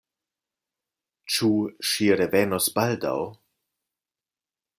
Ĉu ŝi revenos baldaŭ?